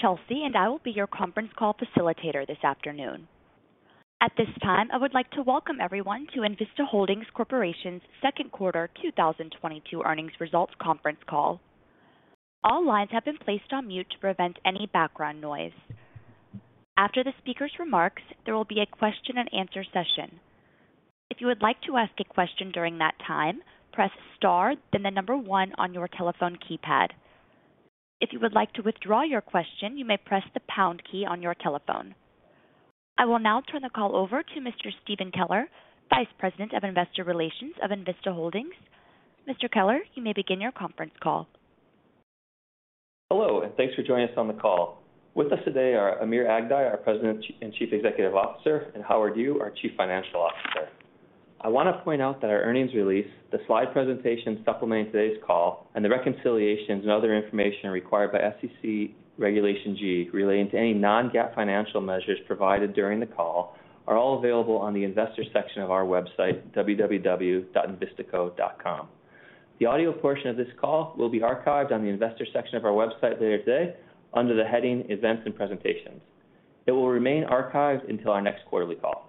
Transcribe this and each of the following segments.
My name is Chelsea, and I will be your conference call facilitator this afternoon. At this time, I would like to welcome everyone to Envista Holdings Corporation's second quarter 2022 earnings results conference call. All lines have been placed on mute to prevent any background noise. After the speaker's remarks, there will be a question and answer session. If you would like to ask a question during that time, press star, then the number one on your telephone keypad. If you would like to withdraw your question, you may press the pound key on your telephone. I will now turn the call over to Mr. Stephen Keller, Vice President of Investor Relations of Envista Holdings. Mr. Keller, you may begin your conference call. Hello, and thanks for joining us on the call. With us today are Amir Aghdaei, our President and Chief Executive Officer, and Howard Yu, our Chief Financial Officer. I wanna point out that our earnings release, the slide presentation supplementing today's call, and the reconciliations and other information required by SEC Regulation G relating to any non-GAAP financial measures provided during the call are all available on the investor section of our website, www.envistaco.com. The audio portion of this call will be archived on the Investor section of our website later today under the heading Events and Presentations. It will remain archived until our next quarterly call.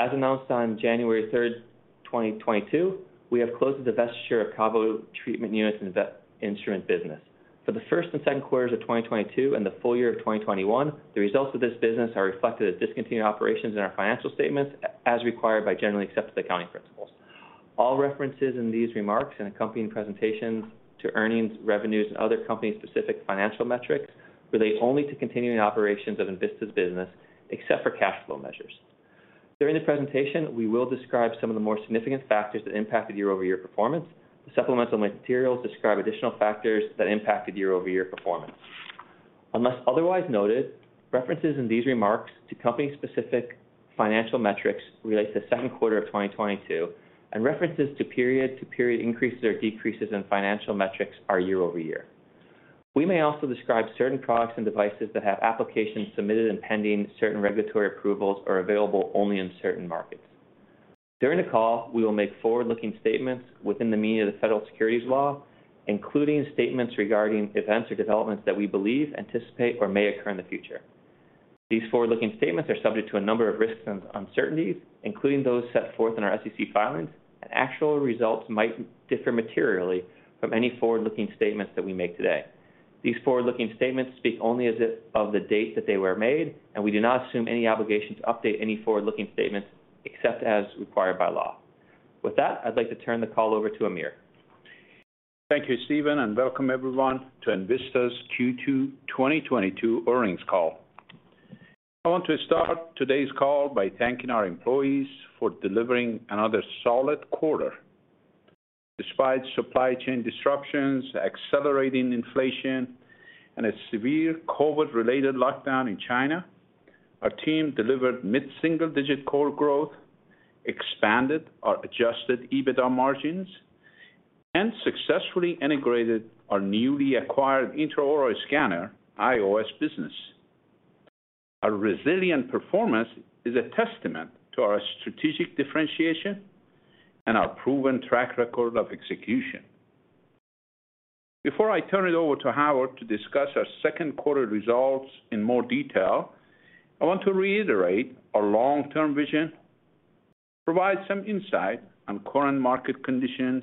As announced on January 3rd, 2022, we have closed the acquisition of the KaVo Treatment Unit and Instruments business. For the first and second quarters of 2022 and the full year of 2021, the results of this business are reflected as discontinued operations in our financial statements as required by generally accepted accounting principles. All references in these remarks and accompanying presentations to earnings, revenues, and other company-specific financial metrics relate only to continuing operations of Envista's business, except for cash flow measures. During the presentation, we will describe some of the more significant factors that impacted year-over-year performance. The supplemental materials describe additional factors that impacted year-over-year performance. Unless otherwise noted, references in these remarks to company-specific financial metrics relate to second quarter of 2022, and references to period-to-period increases or decreases in financial metrics are year-over-year. We may also describe certain products and devices that have applications submitted and pending. Certain regulatory approvals are available only in certain markets. During the call, we will make forward-looking statements within the meaning of the Federal Securities Law, including statements regarding events or developments that we believe, anticipate, or may occur in the future. These forward-looking statements are subject to a number of risks and uncertainties, including those set forth in our SEC filings, and actual results might differ materially from any forward-looking statements that we make today. These forward-looking statements speak only as of the date that they were made, and we do not assume any obligation to update any forward-looking statements except as required by law. With that, I'd like to turn the call over to Amir. Thank you, Stephen, and welcome everyone to Envista's Q2 2022 earnings call. I want to start today's call by thanking our employees for delivering another solid quarter. Despite supply chain disruptions, accelerating inflation, and a severe COVID-related lockdown in China, our team delivered mid-single-digit core growth, expanded our adjusted EBITDA margins, and successfully integrated our newly acquired Intra-Oral Scanner (IOS) business. Our resilient performance is a testament to our strategic differentiation and our proven track record of execution. Before I turn it over to Howard to discuss our second quarter results in more detail, I want to reiterate our long-term vision, provide some insight on current market conditions,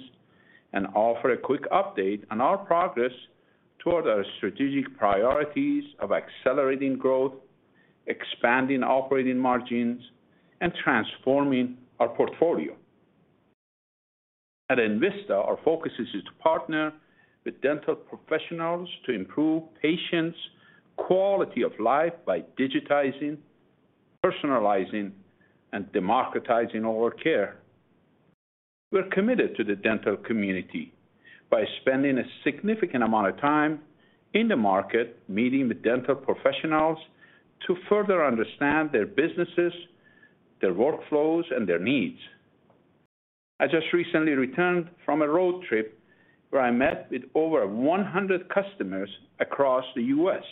and offer a quick update on our progress toward our strategic priorities of accelerating growth, expanding operating margins, and transforming our portfolio. At Envista, our focus is to partner with dental professionals to improve patients' quality of life by digitizing, personalizing, and democratizing oral care. We're committed to the dental community by spending a significant amount of time in the market, meeting with dental professionals to further understand their businesses, their workflows, and their needs. I just recently returned from a road trip where I met with over 100 customers across the U.S.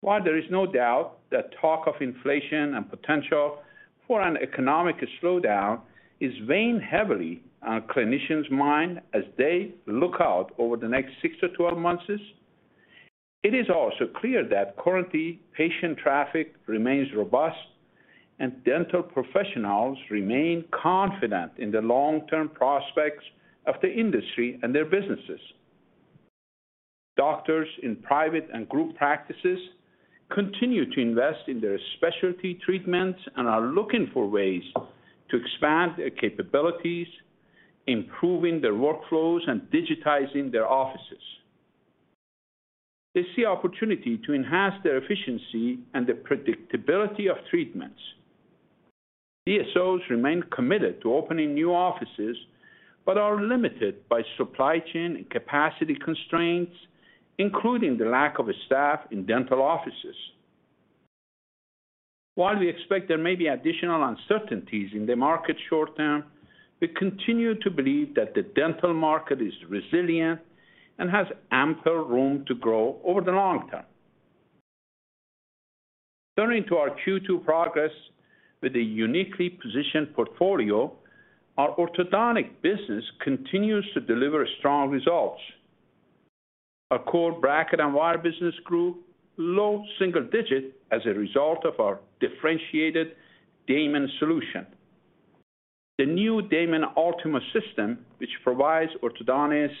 While there is no doubt that talk of inflation and potential for an economic slowdown is weighing heavily on clinicians' mind as they look out over the next six to 12 months, it is also clear that currently patient traffic remains robust and dental professionals remain confident in the long-term prospects of the industry and their businesses. Doctors in private and group practices continue to invest in their specialty treatments and are looking for ways to expand their capabilities, improving their workflows, and digitizing their offices. They see opportunity to enhance their efficiency and the predictability of treatments. DSOs remain committed to opening new offices, but are limited by supply chain and capacity constraints, including the lack of staff in dental offices. While we expect there may be additional uncertainties in the market short term, we continue to believe that the dental market is resilient and has ample room to grow over the long term. Turning to our Q2 progress with a uniquely positioned portfolio, our orthodontic business continues to deliver strong results. Our core bracket and wire business grew low single digit as a result of our differentiated Damon solution. The new Damon Ultima System, which provides orthodontists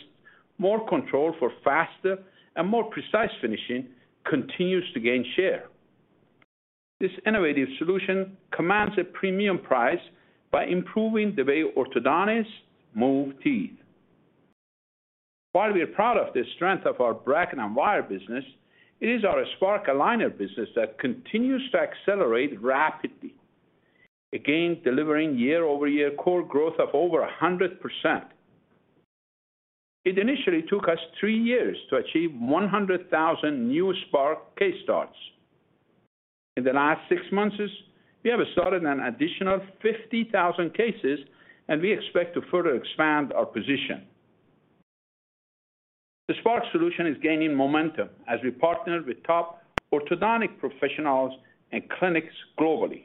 more control for faster and more precise finishing, continues to gain share. This innovative solution commands a premium price by improving the way orthodontists move teeth. While we are proud of the strength of our bracket and wire business, it Spark Clear Aligner business that continues to accelerate rapidly. Again, delivering year-over-year core growth of over 100%. It initially took us three years to achieve 100,000 new Spark case starts. In the last six months, we have started an additional 50,000 cases, and we expect to further expand our position. The Spark solution is gaining momentum as we partner with top orthodontic professionals and clinics globally.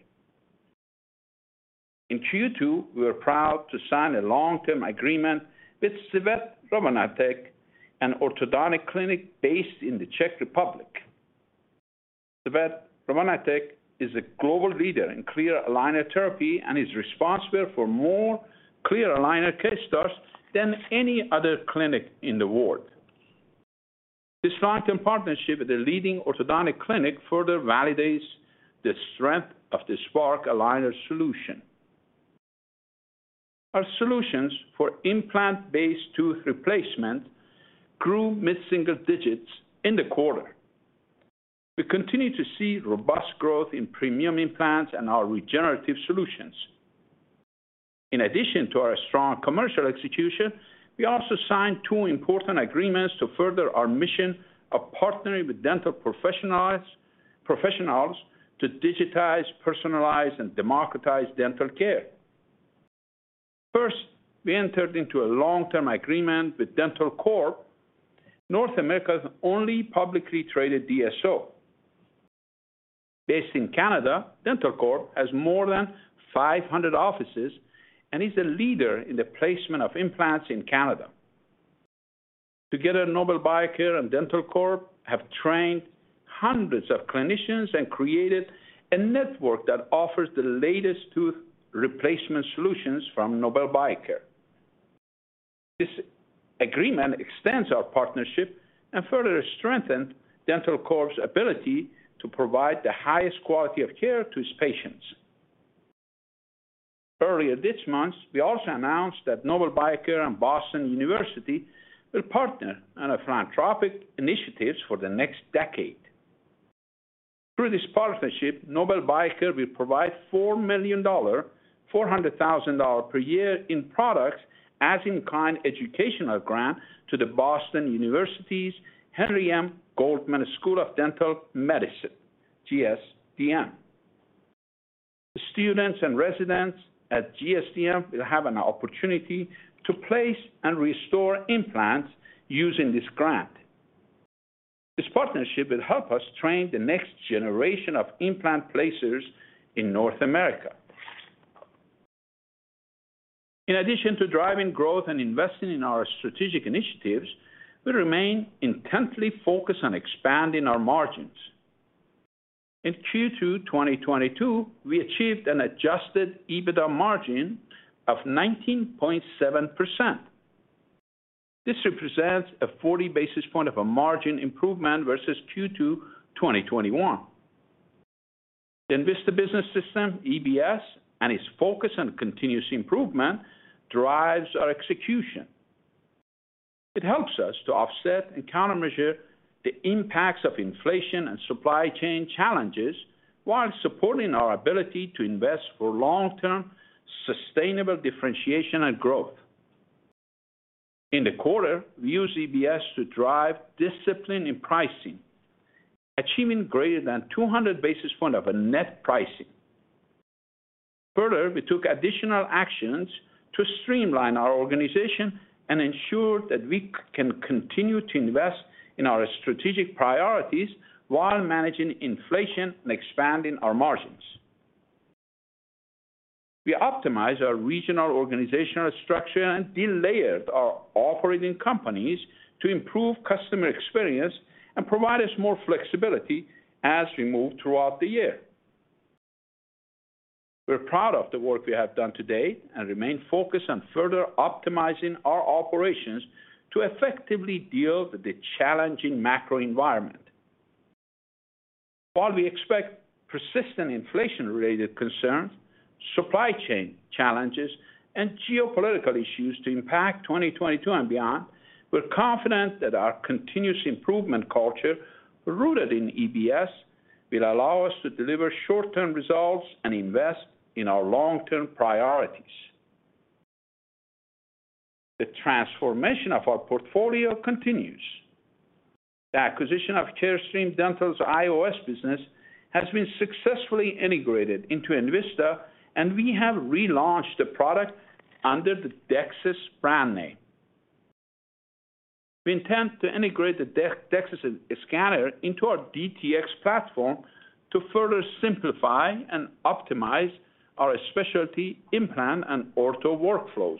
In Q2, we were proud to sign a long-term agreement with Svět rovnátek, an orthodontic clinic based in the Czech Republic. Svět rovnátek is a global leader in clear aligner therapy and is responsible for more clear aligner case starts than any other clinic in the world. This long-term partnership with a leading orthodontic clinic further validates the strength Spark Clear Aligner solution. our solutions for implant-based tooth replacement grew mid-single digits in the quarter. We continue to see robust growth in premium implants and our regenerative solutions. In addition to our strong commercial execution, we also signed two important agreements to further our mission of partnering with dental professionals to digitize, personalize, and democratize dental care. First, we entered into a long-term agreement with dentalcorp, North America's only publicly traded DSO. Based in Canada, dentalcorp has more than 500 offices and is a leader in the placement of implants in Canada. Together, Nobel Biocare and dentalcorp have trained hundreds of clinicians and created a network that offers the latest tooth replacement solutions from Nobel Biocare. This agreement extends our partnership and further strengthened dentalcorp's ability to provide the highest quality of care to its patients. Earlier this month, we also announced that Nobel Biocare and Boston University will partner on philanthropic initiatives for the next decade. Through this partnership, Nobel Biocare will provide $4.4 million per year in products as in kind educational grant to Boston University's Henry M. Goldman School of Dental Medicine, GSDM. The students and residents at GSDM will have an opportunity to place and restore implants using this grant. This partnership will help us train the next generation of implant placers in North America. In addition to driving growth and investing in our strategic initiatives, we remain intently focused on expanding our margins. In Q2 2022, we achieved an adjusted EBITDA margin of 19.7%. This represents a 40 basis point margin improvement versus Q2 2021. The Envista business system, EBS, and its focus on continuous improvement drives our execution. It helps us to offset and countermeasure the impacts of inflation and supply chain challenges while supporting our ability to invest for long-term sustainable differentiation and growth. In the quarter, we used EBS to drive discipline in pricing, achieving greater than 200 basis points of net pricing. Further, we took additional actions to streamline our organization and ensure that we can continue to invest in our strategic priorities while managing inflation and expanding our margins. We optimize our regional organizational structure and delayered our operating companies to improve customer experience and provide us more flexibility as we move throughout the year. We're proud of the work we have done today and remain focused on further optimizing our operations to effectively deal with the challenging macro environment. While we expect persistent inflation-related concerns, supply chain challenges, and geopolitical issues to impact 2022 and beyond, we're confident that our continuous improvement culture rooted in EBS will allow us to deliver short-term results and invest in our long-term priorities. The transformation of our portfolio continues. The acquisition of Carestream Dental's IOS business has been successfully integrated into Envista, and we have relaunched the product under the DEXIS brand name. We intend to integrate the DEXIS scanner into our DTX platform to further simplify and optimize our specialty implant and ortho workflows.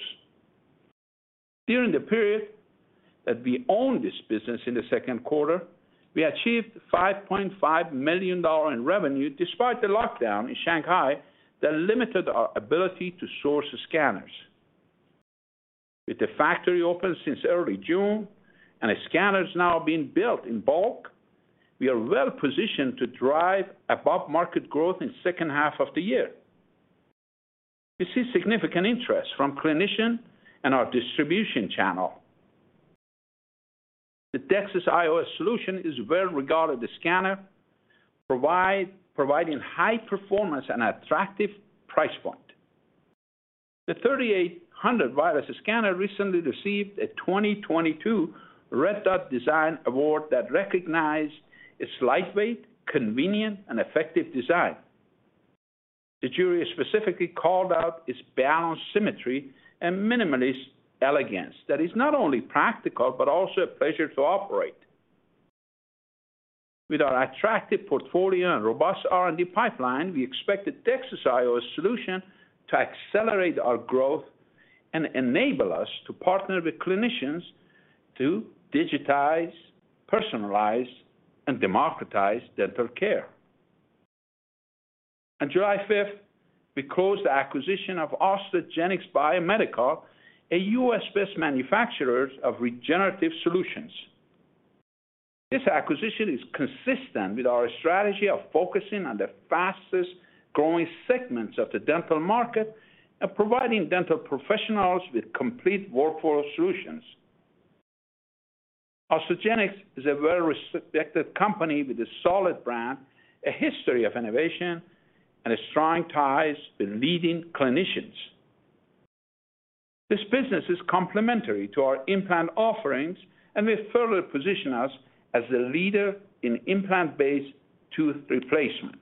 During the period that we own this business in the second quarter, we achieved $5.5 million in revenue despite the lockdown in Shanghai that limited our ability to source the scanners. With the factory open since early June and the scanners now being built in bulk, we are well-positioned to drive above-market growth in second half of the year. We see significant interest from clinician and our distribution channel. The DEXIS IOS solution is well-regarded scanner, providing high performance and attractive price point. The 3,800 wireless scanner recently received a 2022 Red Dot Design Award that recognized its lightweight, convenient, and effective design. The jury specifically called out its balanced symmetry and minimalist elegance that is not only practical, but also a pleasure to operate. With our attractive portfolio and robust R&D pipeline, we expect the DEXIS IOS solution to accelerate our growth and enable us to partner with clinicians to digitize, personalize, and democratize dental care. On July 5th, we closed the acquisition of Osteogenics Biomedical, a U.S.-based manufacturer of regenerative solutions. This acquisition is consistent with our strategy of focusing on the fastest-growing segments of the dental market and providing dental professionals with complete workflow solutions. Osteogenics is a well-respected company with a solid brand, a history of innovation, and strong ties to leading clinicians. This business is complementary to our implant offerings and will further position us as a leader in implant-based tooth replacement,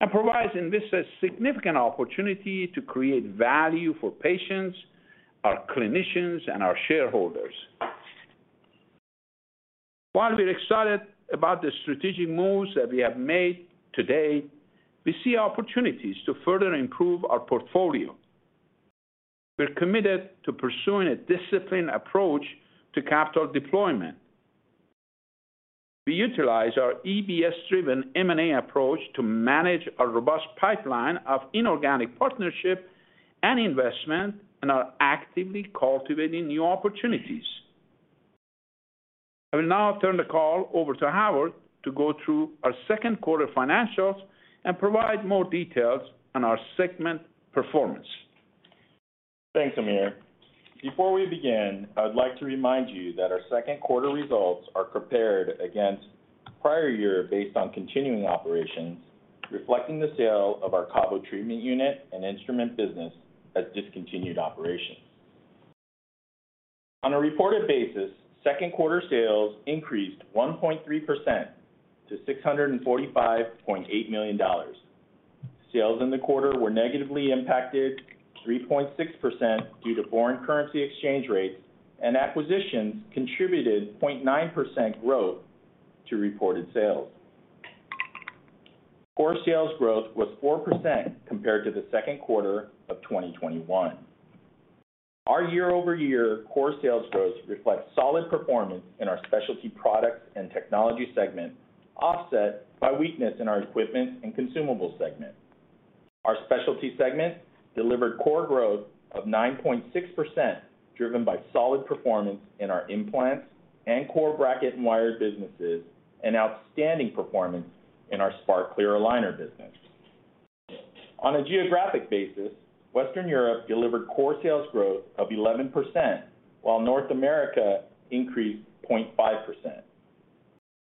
and provides Envista a significant opportunity to create value for patients, our clinicians, and our shareholders. While we're excited about the strategic moves that we have made today, we see opportunities to further improve our portfolio. We're committed to pursuing a disciplined approach to capital deployment. We utilize our EBS-driven M&A approach to manage a robust pipeline of inorganic partnership and investment and are actively cultivating new opportunities. I will now turn the call over to Howard to go through our second quarter financials and provide more details on our segment performance. Thanks, Amir. Before we begin, I would like to remind you that our second quarter results are compared against prior year based on continuing operations, reflecting the sale of our KaVo Treatment Unit and instrument business as discontinued operations. On a reported basis, second quarter sales increased 1.3% to $645.8 million. Sales in the quarter were negatively impacted 3.6% due to foreign currency exchange rates, and acquisitions contributed 0.9% growth to reported sales. Core sales growth was 4% compared to the second quarter of 2021. Our year-over-year core sales growth reflects solid performance in our specialty Products & Technology segment, offset by weakness in our Equipment & Consumables segment. Our Specialty segment delivered core growth of 9.6%, driven by solid performance in our implants and core bracket and wire businesses, and outstanding performance in our Spark Clear Aligner business. On a geographic basis, Western Europe delivered core sales growth of 11%, while North America increased 0.5%.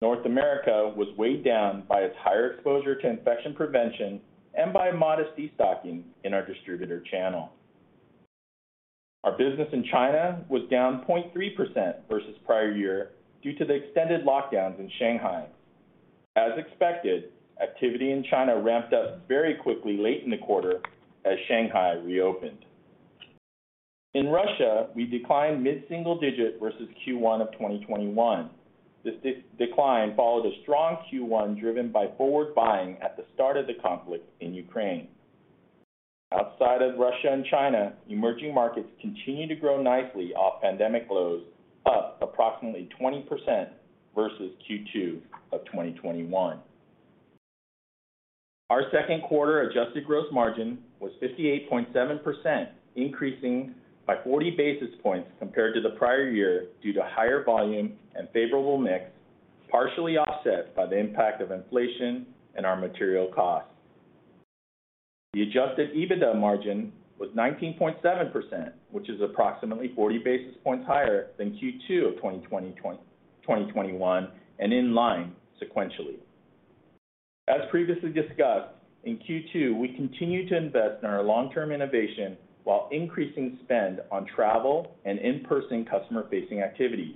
North America was weighed down by its higher exposure to infection prevention and by modest destocking in our distributor channel. Our business in China was down 0.3% versus prior year due to the extended lockdowns in Shanghai. As expected, activity in China ramped up very quickly late in the quarter as Shanghai reopened. In Russia, we declined mid-single digit versus Q1 of 2021. This decline followed a strong Q1 driven by forward buying at the start of the conflict in Ukraine. Outside of Russia and China, emerging markets continued to grow nicely off pandemic lows, up approximately 20% versus Q2 of 2021. Our second quarter adjusted gross margin was 58.7%, increasing by 40 basis points compared to the prior year due to higher volume and favorable mix, partially offset by the impact of inflation and our material costs. The adjusted EBITDA margin was 19.7%, which is approximately 40 basis points higher than Q2 of 2021, and in line sequentially. As previously discussed, in Q2, we continued to invest in our long-term innovation while increasing spend on travel and in-person customer-facing activities.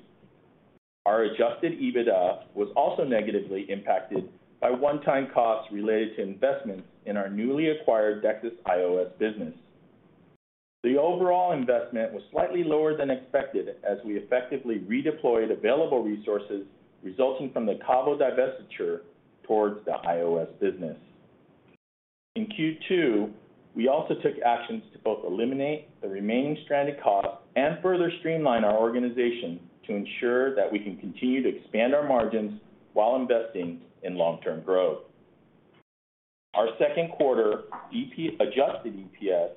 Our adjusted EBITDA was also negatively impacted by one-time costs related to investments in our newly acquired DEXIS IOS business. The overall investment was slightly lower than expected as we effectively redeployed available resources resulting from the KaVo divestiture towards the IOS business. In Q2, we also took actions to both eliminate the remaining stranded costs and further streamline our organization to ensure that we can continue to expand our margins while investing in long-term growth. Our second quarter adjusted EPS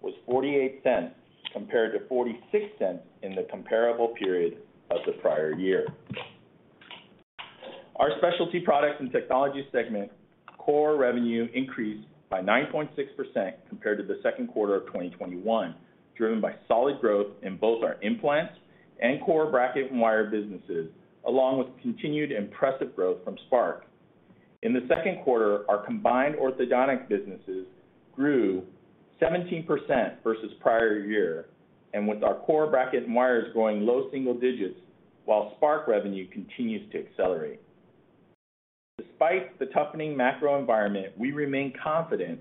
was $0.48 compared to $0.46 in the comparable period of the prior year. Our specialty Products & Technology segment core revenue increased by 9.6% compared to the second quarter of 2021, driven by solid growth in both our implants and core bracket and wire businesses, along with continued impressive growth from Spark. In the second quarter, our combined orthodontic businesses grew 17% versus prior year, and with our core bracket and wires growing low single digits while Spark revenue continues to accelerate. Despite the toughening macro environment, we remain confident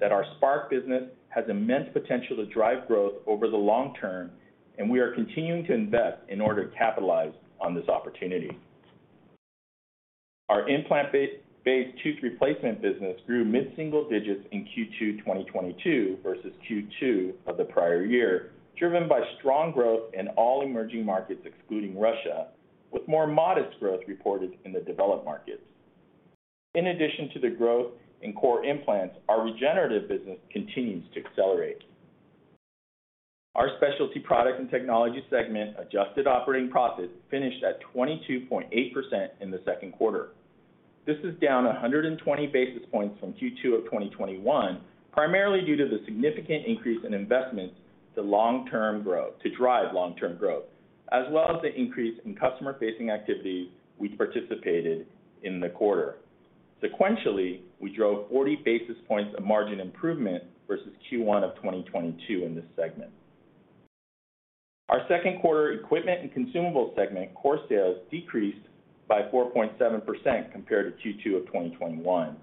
that our Spark business has immense potential to drive growth over the long term, and we are continuing to invest in order to capitalize on this opportunity. Our implant-based tooth replacement business grew mid-single digits in Q2 2022 versus Q2 of the prior year, driven by strong growth in all emerging markets, excluding Russia, with more modest growth reported in the developed markets. In addition to the growth in core implants, our regenerative business continues to accelerate. Our Specialty, Product & Technology segment adjusted operating profit finished at 22.8% in the second quarter. This is down 120 basis points from Q2 of 2021, primarily due to the significant increase in investments to drive long-term growth, as well as the increase in customer-facing activities we participated in the quarter. Sequentially, we drove 40 basis points of margin improvement versus Q1 of 2022 in this segment. Our second quarter Equipment & Consumables segment core sales decreased by 4.7% compared to Q2 of 2021.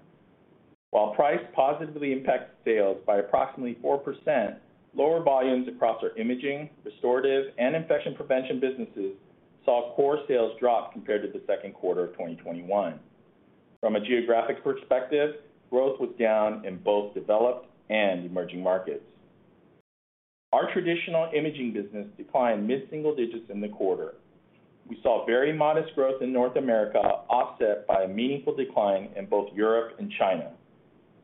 While price positively impacted sales by approximately 4%, lower volumes across our imaging, restorative, and infection prevention businesses saw core sales drop compared to the second quarter of 2021. From a geographic perspective, growth was down in both developed and emerging markets. Our traditional imaging business declined mid-single digits in the quarter. We saw very modest growth in North America offset by a meaningful decline in both Europe and China.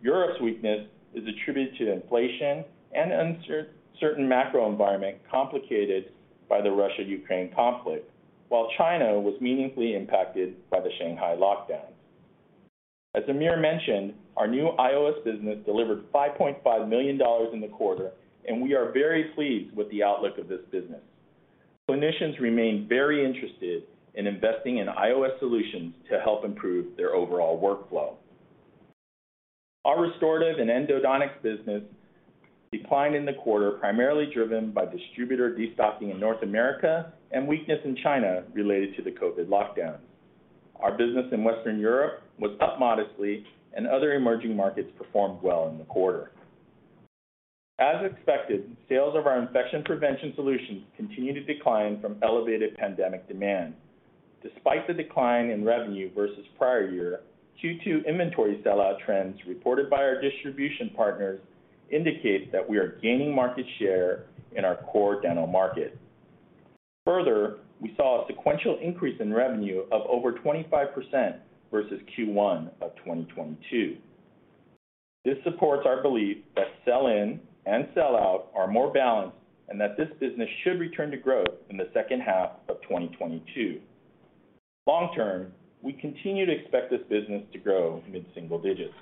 Europe's weakness is attributed to inflation and uncertain macro environment complicated by the Russia-Ukraine conflict, while China was meaningfully impacted by the Shanghai lockdown. As Amir mentioned, our new IOS business delivered $5.5 million in the quarter, and we are very pleased with the outlook of this business. Clinicians remain very interested in investing in IOS solutions to help improve their overall workflow. Our restorative and endodontics business declined in the quarter, primarily driven by distributor destocking in North America and weakness in China related to the COVID lockdowns. Our business in Western Europe was up modestly and other emerging markets performed well in the quarter. As expected, sales of our infection prevention solutions continued to decline from elevated pandemic demand. Despite the decline in revenue versus prior year, Q2 inventory sell-out trends reported by our distribution partners indicate that we are gaining market share in our core dental market. Further, we saw a sequential increase in revenue of over 25% versus Q1 of 2022. This supports our belief that sell-in and sell-out are more balanced and that this business should return to growth in the second half of 2022. Long term, we continue to expect this business to grow mid-single digits.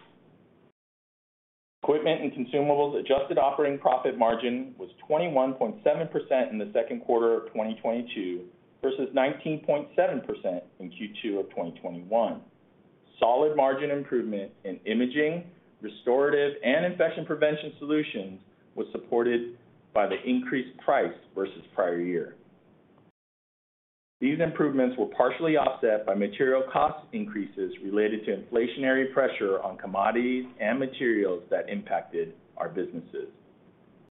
Equipment & Consumables adjusted operating profit margin was 21.7% in the second quarter of 2022 versus 19.7% in Q2 of 2021. Solid margin improvement in imaging, restorative, and Infection Prevention solutions was supported by the increased price versus prior year. These improvements were partially offset by material cost increases related to inflationary pressure on commodities and materials that impacted our businesses.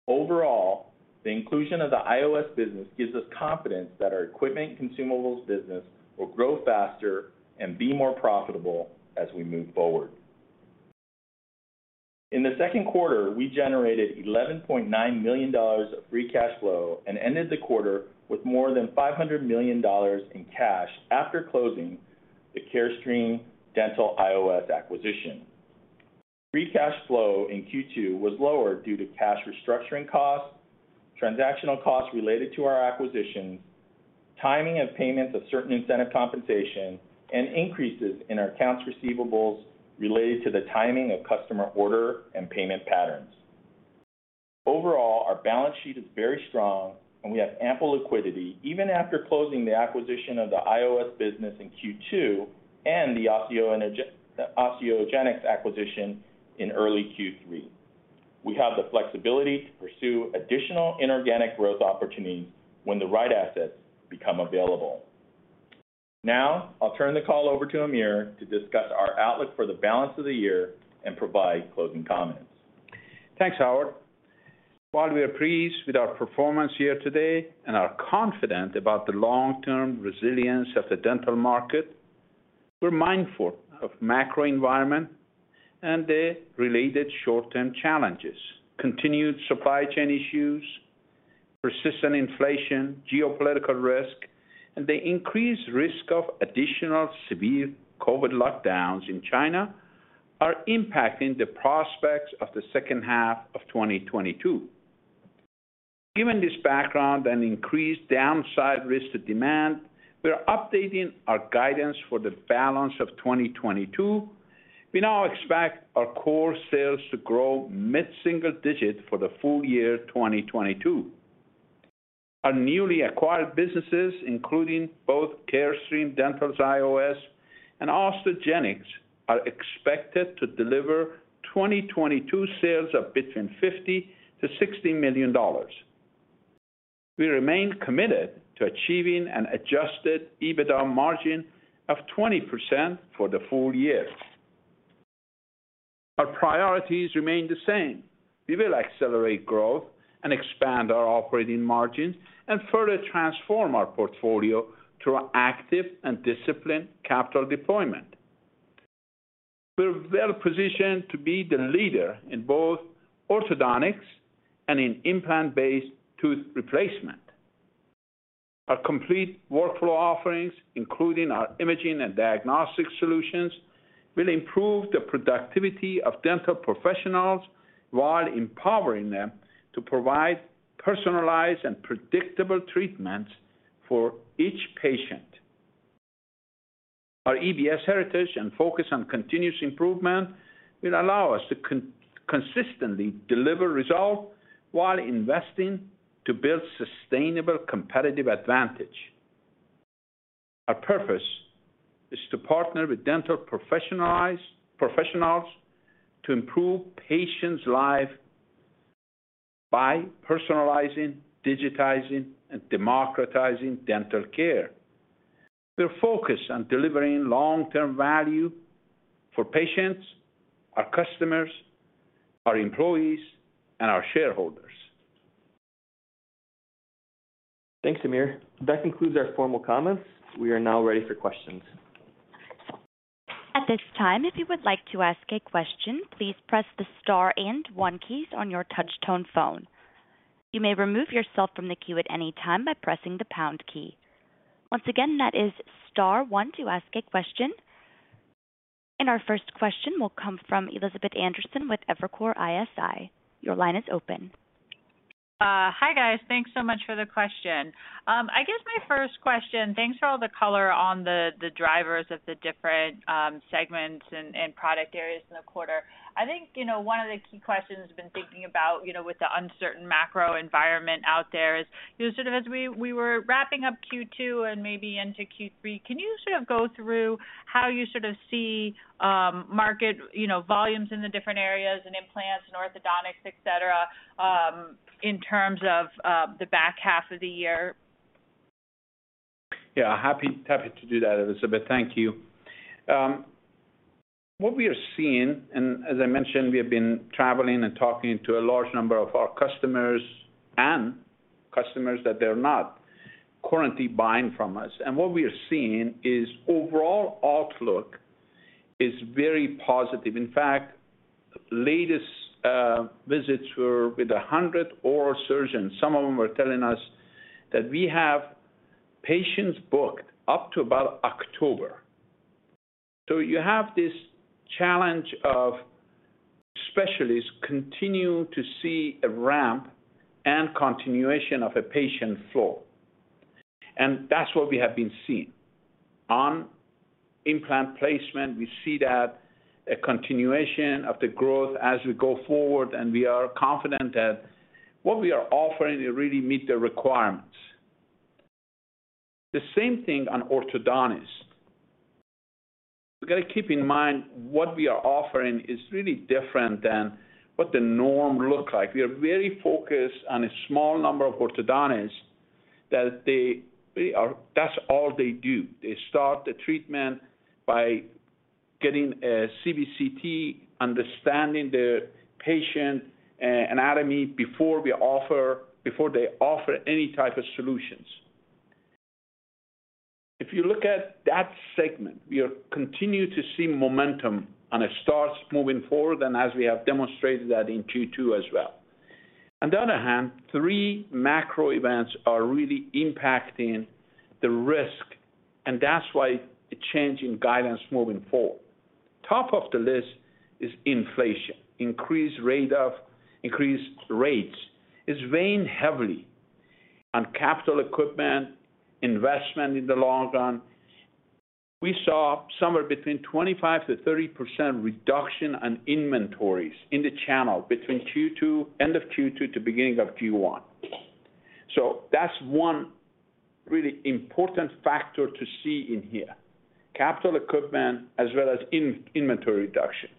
Overall, the inclusion of the IOS business gives us confidence that our equipment consumables business will grow faster and be more profitable as we move forward. In the second quarter, we generated $11.9 million of free cash flow and ended the quarter with more than $500 million in cash after closing the Carestream Dental IOS acquisition. Free cash flow in Q2 was lower due to cash restructuring costs, transactional costs related to our acquisitions, timing of payments of certain incentive compensation, and increases in our accounts receivables related to the timing of customer order and payment patterns. Overall, our balance sheet is very strong, and we have ample liquidity even after closing the acquisition of the IOS business in Q2 and the Osteogenics acquisition in early Q3. We have the flexibility to pursue additional inorganic growth opportunities when the right assets become available. Now, I'll turn the call over to Amir to discuss our outlook for the balance of the year and provide closing comments. Thanks, Howard. While we are pleased with our performance here today and are confident about the long-term resilience of the dental market, we're mindful of macro environment and the related short-term challenges. Continued supply chain issues, persistent inflation, geopolitical risk, and the increased risk of additional severe COVID lockdowns in China are impacting the prospects of the second half of 2022. Given this background and increased downside risk to demand, we are updating our guidance for the balance of 2022. We now expect our core sales to grow mid-single-digit% for the full year 2022. Our newly acquired businesses, including both Carestream Dental IOS and Osteogenics, are expected to deliver 2022 sales of between $50 million-$60 million. We remain committed to achieving an adjusted EBITDA margin of 20% for the full year. Our priorities remain the same. We will accelerate growth and expand our operating margins and further transform our portfolio through active and disciplined capital deployment. We're well-positioned to be the leader in both orthodontics and in implant-based tooth replacement. Our complete workflow offerings, including our imaging and diagnostic solutions, will improve the productivity of dental professionals while empowering them to provide personalized and predictable treatments for each patient. Our EBS heritage and focus on continuous improvement will allow us to consistently deliver results while investing to build sustainable competitive advantage. Our purpose is to partner with dental professionals to improve patients' life by personalizing, digitizing, and democratizing dental care. We're focused on delivering long-term value for patients, our customers, our employees, and our shareholders. Thanks, Amir. That concludes our formal comments. We are now ready for questions. At this time, if you would like to ask a question, please press the star and one keys on your touch tone phone. You may remove yourself from the queue at any time by pressing the pound key. Once again, that is star one to ask a question. Our first question will come from Elizabeth Anderson with Evercore ISI. Your line is open. Hi, guys. Thanks so much for the question. I guess my first question, thanks for all the color on the drivers of the different segments and product areas in the quarter. I think, you know, one of the key questions I've been thinking about, you know, with the uncertain macro environment out there is, you know, sort of as we were wrapping up Q2 and maybe into Q3, can you sort of go through how you sort of see market, you know, volumes in the different areas and implants and orthodontics, et cetera, in terms of the back half of the year? Yeah, happy to do that, Elizabeth. Thank you. What we are seeing, as I mentioned, we have been traveling and talking to a large number of our customers and customers that they're not currently buying from us. What we are seeing is overall outlook is very positive. In fact, latest visits were with 100 oral surgeons. Some of them are telling us that we have patients booked up to about October. You have this challenge of specialists continue to see a ramp and continuation of a patient flow. That's what we have been seeing. On implant placement, we see that a continuation of the growth as we go forward, and we are confident that what we are offering really meet the requirements. The same thing on orthodontists. We got to keep in mind what we are offering is really different than what the norm look like. We are very focused on a small number of orthodontists that they are, that's all they do. They start the treatment by getting a CBCT, understanding the patient anatomy before they offer any type of solutions. If you look at that segment, we continue to see momentum, and it starts moving forward and as we have demonstrated that in Q2 as well. On the other hand, three macro events are really impacting the risk, and that's why a change in guidance moving forward. Top of the list is inflation. Increased rates is weighing heavily on capital equipment, investment in the long run. We saw somewhere between 25%-30% reduction on inventories in the channel between end of Q2 to beginning of Q1. That's one really important factor to see in here, capital equipment as well as inventory reduction.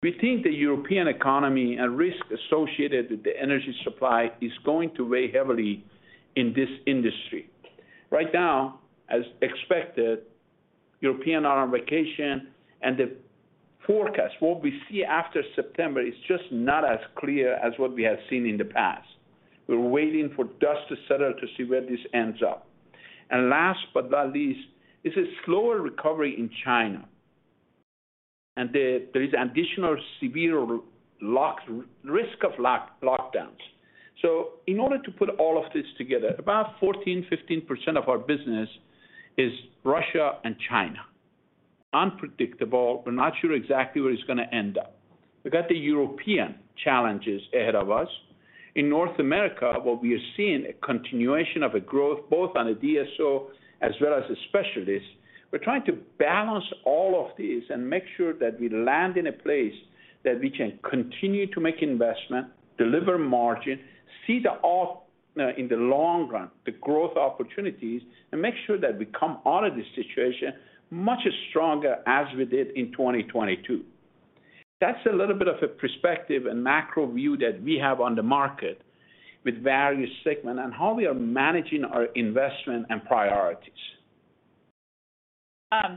We think the European economy and risk associated with the energy supply is going to weigh heavily in this industry. Right now, as expected, Europeans are on vacation and the forecast, what we see after September, is just not as clear as what we have seen in the past. We're waiting for dust to settle to see where this ends up. Last but not least is a slower recovery in China. There is additional severe lockdown risk of lockdowns. In order to put all of this together, about 14%-15% of our business is Russia and China. Unpredictable, we're not sure exactly where it's gonna end up. We've got the European challenges ahead of us. In North America, what we are seeing, a continuation of a growth both on a DSO as well as the specialists. We're trying to balance all of these and make sure that we land in a place that we can continue to make investment, deliver margin, see, in the long run, the growth opportunities, and make sure that we come out of this situation much stronger as we did in 2022. That's a little bit of a perspective and macro view that we have on the market with value segment and how we are managing our investment and priorities.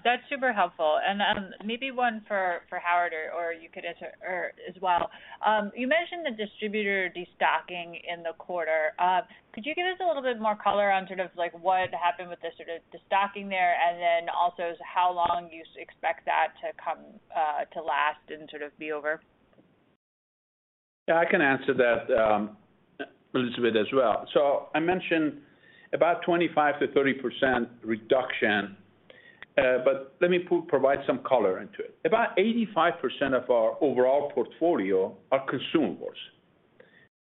That's super helpful. Maybe one for Howard or you could answer as well. You mentioned the distributor destocking in the quarter. Could you give us a little bit more color on sort of like what happened with the sort of destocking there, and then also how long you expect that to last and sort of be over? Yeah, I can answer that, Elizabeth, as well. I mentioned about 25%-30% reduction, but let me provide some color into it. About 85% of our overall portfolio are consumables.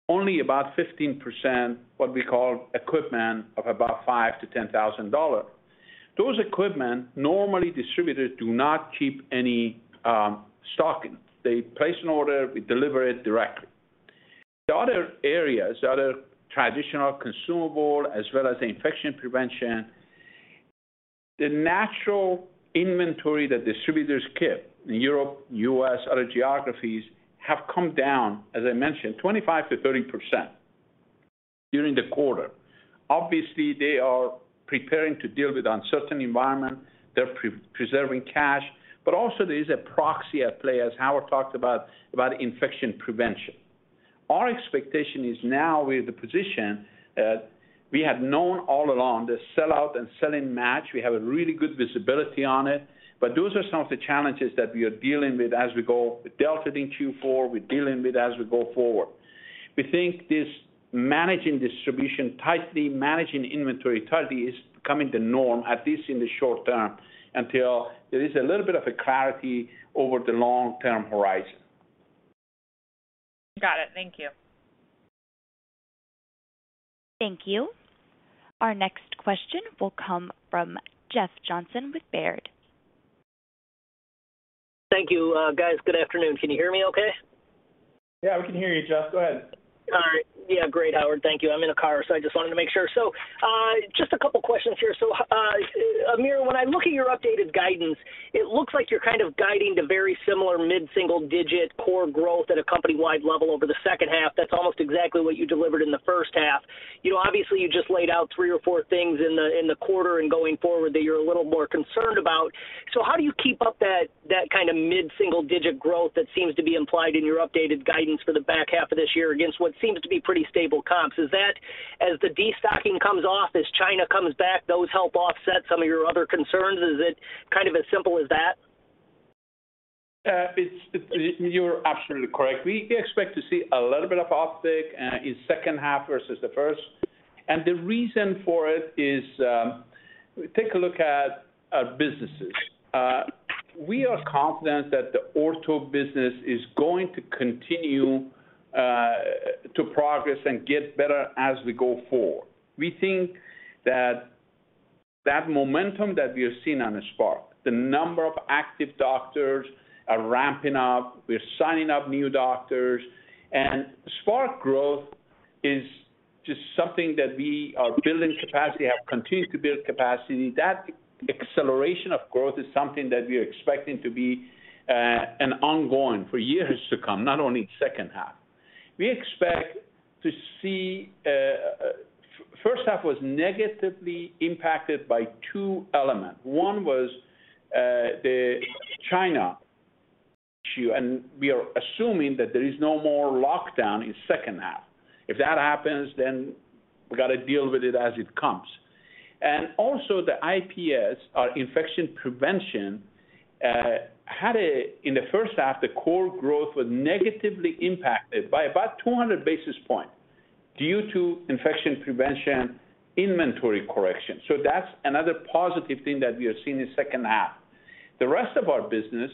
Only about 15%, what we call equipment of about $5,000-$10,000. Those equipment, normally distributors do not keep any stocking. They place an order, we deliver it directly. The other areas, the other traditional consumable as well as the Infection Prevention, the natural inventory that distributors keep in Europe, U.S., other geographies, have come down, as I mentioned, 25%-30% during the quarter. Obviously, they are preparing to deal with uncertain environment, they're preserving cash. But also there is a proxy at play, as Howard talked about Infection Prevention. Our expectation is now with the position that we have known all along, the sellout and selling match, we have a really good visibility on it. Those are some of the challenges that we are dealing with as we go. We dealt with it in Q4, we're dealing with it as we go forward. We think this managing distribution tightly, managing inventory tightly is becoming the norm, at least in the short term, until there is a little bit of a clarity over the long-term horizon. Got it. Thank you. Thank you. Our next question will come from Jeff Johnson with Baird. Thank you, guys. Good afternoon. Can you hear me okay? Yeah, we can hear you, Jeff. Go ahead. All right. Yeah, great, Howard. Thank you. I'm in a car, so I just wanted to make sure. Just a couple questions here. Amir, when I look at your updated guidance, it looks like you're kind of guiding to very similar mid-single-digit core growth at a company-wide level over the second half. That's almost exactly what you delivered in the first half. You know, obviously, you just laid out three or four things in the quarter and going forward that you're a little more concerned about. How do you keep up that kinda mid-single-digit growth that seems to be implied in your updated guidance for the back half of this year against what seems to be pretty stable comps? Is that as the destocking comes off, as China comes back, those help offset some of your other concerns? Is it kind of as simple as that? You're absolutely correct. We expect to see a little bit of uptick in second half versus the first. The reason for it is, take a look at our businesses. We are confident that the ortho business is going to continue to progress and get better as we go forward. We think that momentum that we have seen on Spark, the number of active doctors are ramping up, we're signing up new doctors. Spark growth is just something that we are building capacity, have continued to build capacity. That acceleration of growth is something that we are expecting to be an ongoing for years to come, not only second half. We expect to see, first half was negatively impacted by two elements. One was the China issue, and we are assuming that there is no more lockdown in second half. If that happens, then we gotta deal with it as it comes. Also the IPS, our Infection Prevention, had in the first half the core growth was negatively impacted by about 200 basis points due to Infection Prevention inventory correction. That's another positive thing that we are seeing in second half. The rest of our business,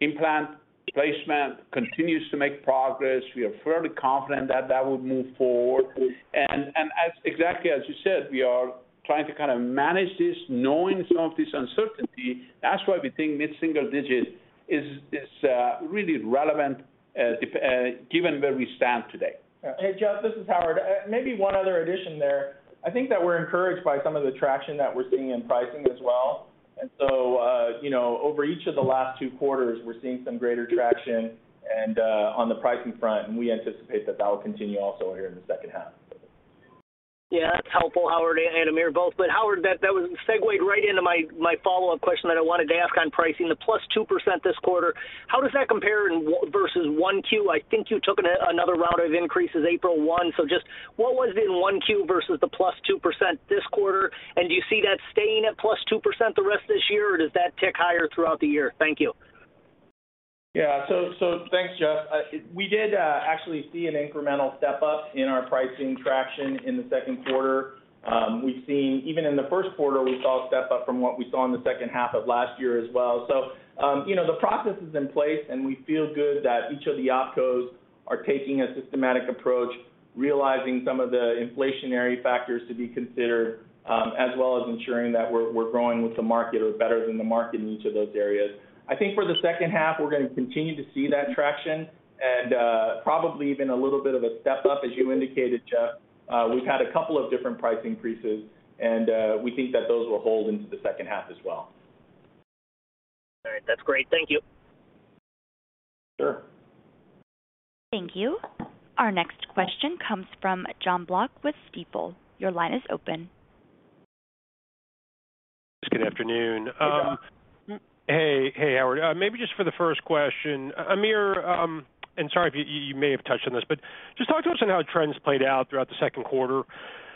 implant placement continues to make progress. We are fairly confident that that will move forward. Exactly as you said, we are trying to kind of manage this, knowing some of this uncertainty. That's why we think mid-single-digit is really relevant, given where we stand today. Hey, Jeff, this is Howard. Maybe one other addition there. I think that we're encouraged by some of the traction that we're seeing in pricing as well. You know, over each of the last two quarters, we're seeing some greater traction and on the pricing front, and we anticipate that will continue also here in the second half. Yeah, that's helpful, Howard and Amir both. Howard, that was segued right into my follow-up question that I wanted to ask on pricing. The +2% this quarter, how does that compare in Q2 versus Q1? I think you took another round of increases April 1, so just what was it in Q1 versus the +2% this quarter? Do you see that staying at +2% the rest of this year, or does that tick higher throughout the year? Thank you. Thanks, Jeff. We did actually see an incremental step up in our pricing traction in the second quarter. We've seen even in the first quarter, we saw a step up from what we saw in the second half of last year as well. You know, the process is in place, and we feel good that each of the opcos are taking a systematic approach, realizing some of the inflationary factors to be considered, as well as ensuring that we're growing with the market or better than the market in each of those areas. I think for the second half, we're gonna continue to see that traction and probably even a little bit of a step up, as you indicated, Jeff. We've had a couple of different price increases, and we think that those will hold into the second half as well. All right. That's great. Thank you. Sure. Thank you. Our next question comes from Jon Block with Stifel. Your line is open. Good afternoon. Hey, Jon. Hey, hey, Howard. Maybe just for the first question, Amir, and sorry if you may have touched on this, but just talk to us on how trends played out throughout the second quarter.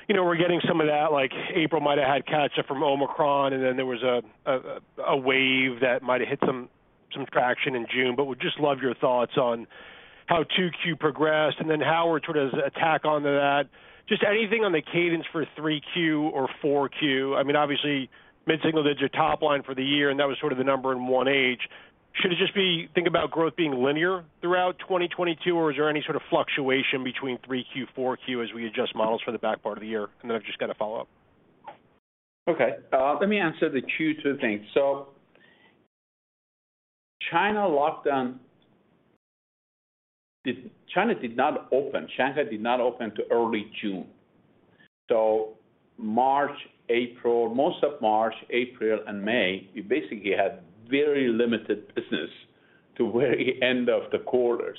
You know, we're getting some of that, like April might've had catch up from Omicron, and then there was a wave that might've hit some traction in June. Would just love your thoughts on how Q2 progressed. Then Howard, sort of tack onto that, just anything on the cadence for Q3 or 4Q. I mean, obviously, mid-single digit top line for the year, and that was sort of the number in H1. Should we just think about growth being linear throughout 2022, or is there any sort of fluctuation between Q3, Q4 as we adjust models for the back part of the year? I've just got a follow-up. Okay. Let me answer the Q2 thing. China lockdown. China did not open, Shanghai did not open till early June. March, April, most of March, April and May, we basically had very limited business to very end of the quarter.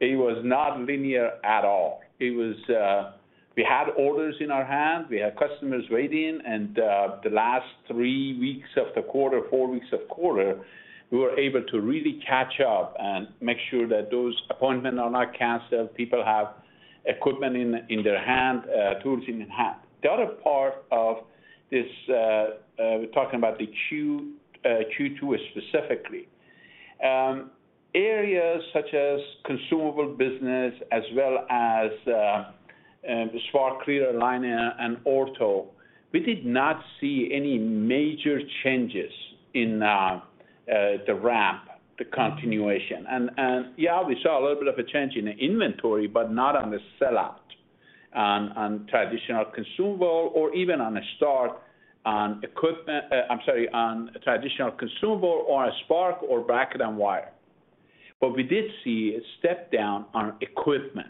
It was not linear at all. We had orders in our hand, we had customers waiting, and the last three weeks of the quarter, four weeks of quarter, we were able to really catch up and make sure that those appointment are not canceled, people have equipment in their hand, tools in hand. The other part of this, we're talking about the Q2 specifically, areas such as consumable business as well as Spark Clear Aligner and Ortho, we did not see any major changes in the ramp, the continuation. We saw a little bit of a change in the inventory, but not on the sellout on traditional consumable or a Spark or bracket and wire. What we did see a step down on equipment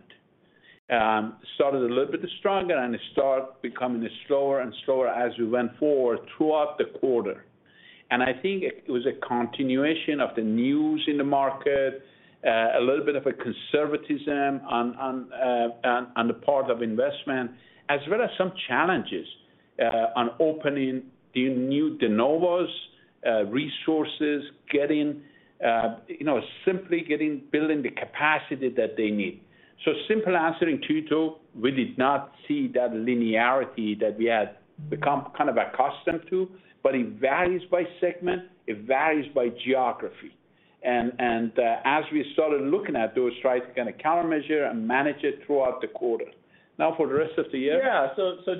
started a little bit stronger and it start becoming slower and slower as we went forward throughout the quarter. I think it was a continuation of the news in the market, a little bit of a conservatism on the part of investors, as well as some challenges on opening the new de novos, resources, simply getting building the capacity that they need. Simple answer in Q2, we did not see that linearity that we had become kind of accustomed to, but it varies by segment, it varies by geography. As we started looking at those, tried to kind of countermeasure and manage it throughout the quarter. Now for the rest of the year. Yeah.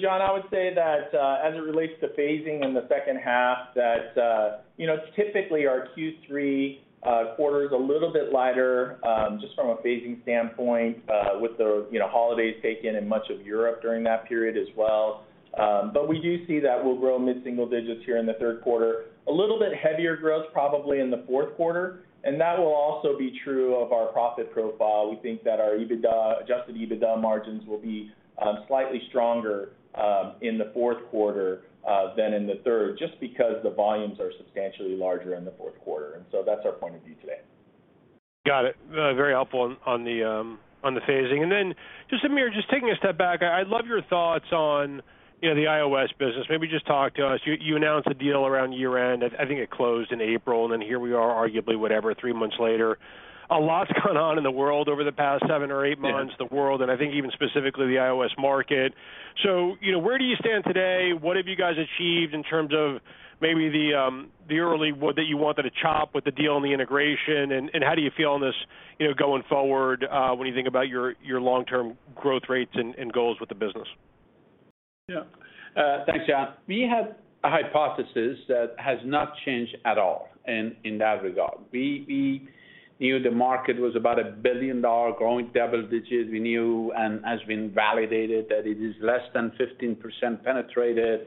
Jon, I would say that as it relates to phasing in the second half, you know, typically our Q3 quarter is a little bit lighter just from a phasing standpoint, with the, you know, holidays taken in much of Europe during that period as well. We do see that we'll grow mid-single digits here in the third quarter. A little bit heavier growth probably in the fourth quarter, and that will also be true of our profit profile. We think that our EBITDA, adjusted EBITDA margins will be slightly stronger in the fourth quarter than in the third, just because the volumes are substantially larger in the fourth quarter. That's our point of view today. Got it. Very helpful on the phasing. Then just Amir, just taking a step back, I'd love your thoughts on, you know, the IOS business. Maybe just talk to us. You announced a deal around year-end. I think it closed in April, and then here we are arguably, whatever, three months later. A lot's gone on in the world over the past seven or eight months. Yeah the world, and I think even specifically the IOS market. You know, where do you stand today? What have you guys achieved in terms of maybe the early wins that you wanted to capture with the deal and the integration? How do you feel on this, you know, going forward, when you think about your long-term growth rates and goals with the business? Yeah. Thanks, Jon. We have a hypothesis that has not changed at all in that regard. We knew the market was about $1 billion, growing double digits. We knew and has been validated that it is less than 15% penetrated,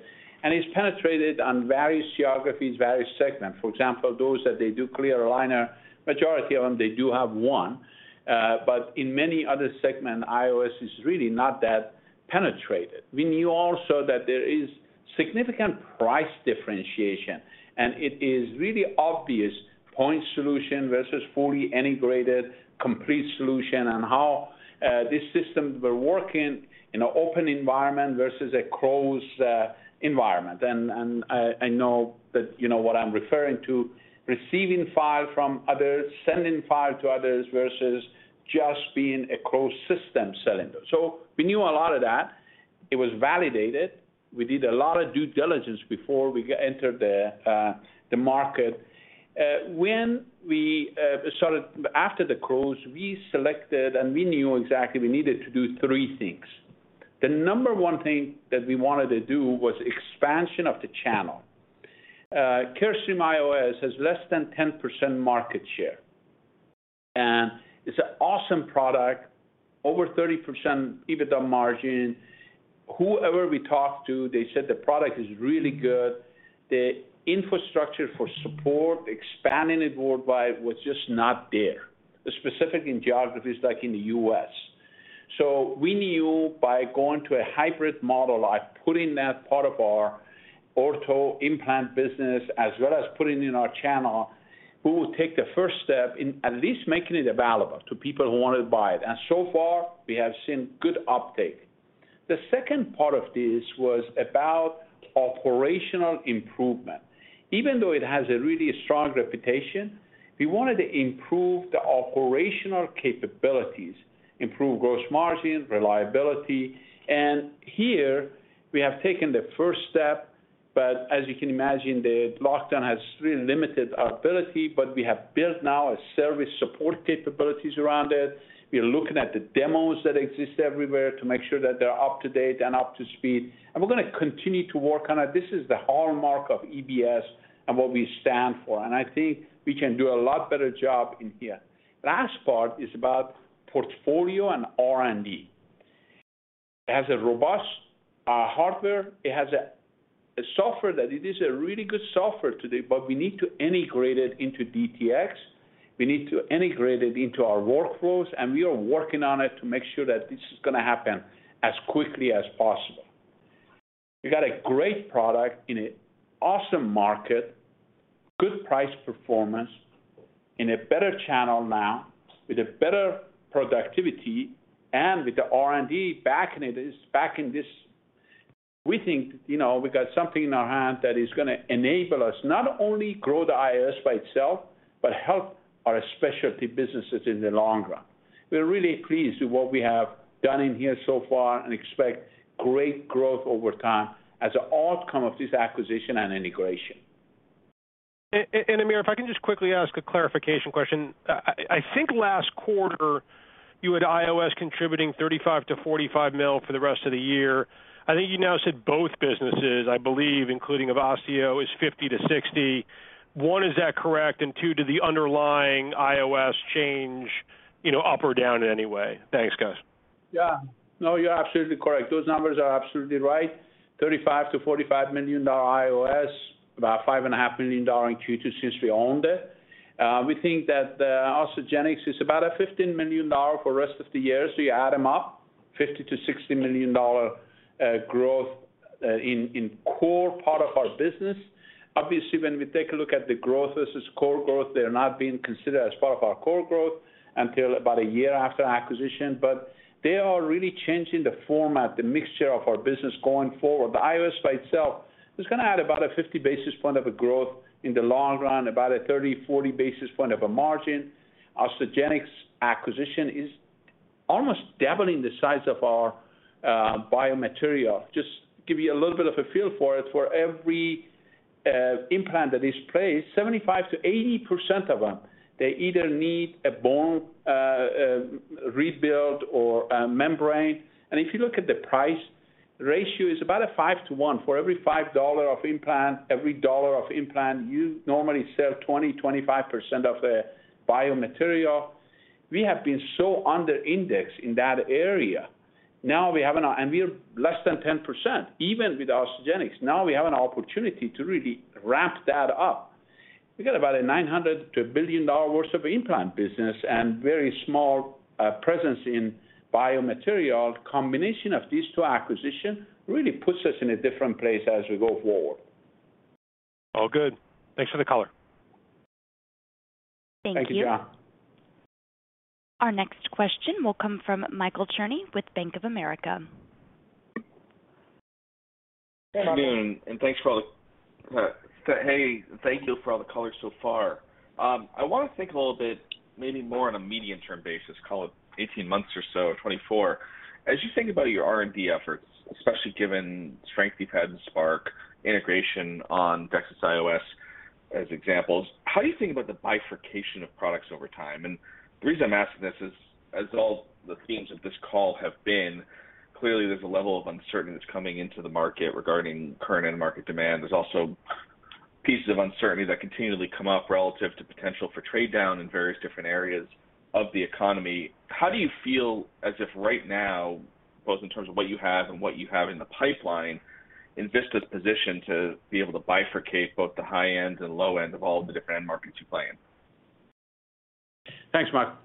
and it's penetrated on various geographies, various segments. For example, those that do clear aligner, majority of them, they do have one. But in many other segment, IOS is really not that penetrated. We knew also that there is significant price differentiation, and it is really obvious point solution versus fully integrated complete solution on how these systems were working in an open environment versus a closed environment. I know that you know what I'm referring to. Receiving file from others, sending file to others versus just being a closed system selling those. We knew a lot of that. It was validated. We did a lot of due diligence before we entered the market. After the close, we selected, and we knew exactly we needed to do three things. The number one thing that we wanted to do was expansion of the channel. Carestream IOS has less than 10% market share, and it's an awesome product, over 30% EBITDA margin. Whoever we talked to, they said the product is really good. The infrastructure for support, expanding it worldwide was just not there, specific in geographies like in the U.S. We knew by going to a hybrid model, like putting that part of our ortho implant business as well as putting in our channel, we would take the first step in at least making it available to people who wanted to buy it. So far, we have seen good uptake. The second part of this was about operational improvement. Even though it has a really strong reputation, we wanted to improve the operational capabilities, improve gross margin, reliability. Here we have taken the first step, but as you can imagine, the lockdown has really limited our ability. We have built now a service support capabilities around it. We're looking at the demos that exist everywhere to make sure that they're up to date and up to speed. We're gonna continue to work on it. This is the hallmark of EBS and what we stand for, and I think we can do a lot better job in here. Last part is about portfolio and R&D. It has a robust hardware. It has a software that it is a really good software today, but we need to integrate it into DTX. We need to integrate it into our workflows, and we are working on it to make sure that this is gonna happen as quickly as possible. We got a great product in an awesome market, good price performance, in a better channel now, with a better productivity and with the R&D backing it. We think, you know, we got something in our hand that is gonna enable us not only grow the IOS by itself, but help our specialty businesses in the long run. We're really pleased with what we have done in here so far and expect great growth over time as an outcome of this acquisition and integration. Amir, if I can just quickly ask a clarification question. I think last quarter you had IOS contributing $35 million-$45 million for the rest of the year. I think you now said both businesses, I believe, including Osteo, is $50 million-$60 million. One, is that correct? Two, did the underlying IOS change, you know, up or down in any way? Thanks, guys. Yeah. No, you're absolutely correct. Those numbers are absolutely right. $35 million-$45 million IOS, about $5.5 million in Q2 since we owned it. We think that Osteogenics is about $15 million for rest of the year. So you add them up, $50 million-$60 million growth in core part of our business. Obviously, when we take a look at the growth versus core growth, they're not being considered as part of our core growth until about a year after acquisition. But they are really changing the format, the mixture of our business going forward. The IOS by itself is gonna add about 50 basis points of growth in the long run, about 30-40 basis points of margin. Osteogenics acquisition is almost doubling the size of our biomaterial. Just give you a little bit of a feel for it. For every implant that is placed, 75%-80% of them, they either need a bone rebuild or a membrane. If you look at the price ratio, it's about a 5:1. For every $5 of implant, every $1 of implant, you normally sell 20%-25% of the biomaterial. We have been so under index in that area. We're less than 10%, even with Osteogenics. Now we have an opportunity to really ramp that up. We got about a $900 million-$1 billion worth of implant business and very small presence in biomaterial. Combination of these two acquisition really puts us in a different place as we go forward. All good. Thanks for the color. Thank you, Jon. Thank you. Our next question will come from Michael Cherny with Bank of America. Good afternoon, thank you for all the color so far. I wanna think a little bit, maybe more on a medium-term basis, call it 18 months or so, or 24 months. As you think about your R&D efforts, especially given strength, depth and Spark integration on DEXIS IOS as examples, how do you think about the bifurcation of products over time? The reason I'm asking this is, as all the themes of this call have been, clearly, there's a level of uncertainty that's coming into the market regarding current end market demand. There's also pieces of uncertainty that continually come up relative to potential for trade-down in various different areas of the economy. How do you feel as of right now, both in terms of what you have and what you have in the pipeline, Envista's position to be able to bifurcate both the high end and low end of all the different end markets you play in? Thanks, Mark.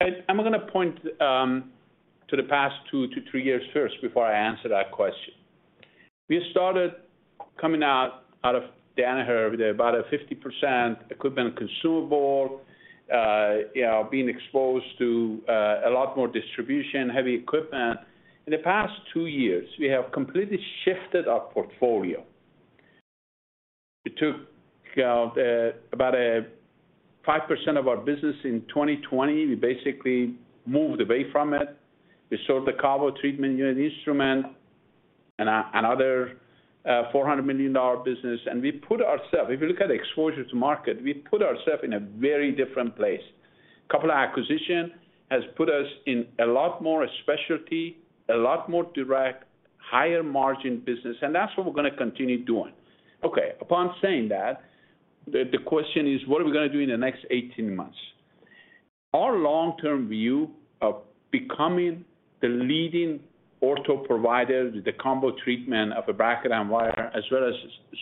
I'm gonna point to the past two to three years first before I answer that question. We started coming out of Danaher with about a 50% equipment consumable, you know, being exposed to a lot more distribution, heavy equipment. In the past two years, we have completely shifted our portfolio. It took about a 5% of our business in 2020. We basically moved away from it. We sold the KaVo Treatment Unit and Instrument and another $400 million business. We put ourselves. If you look at exposure to market, we put ourselves in a very different place. A couple of acquisitions has put us in a lot more specialty, a lot more direct, higher margin business, and that's what we're gonna continue doing. Okay, upon saying that, the question is, what are we gonna do in the next 18 months? Our long-term view of becoming the leading ortho provider with the combo treatment of a bracket and wire, as well as